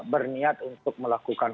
berniat untuk melakukan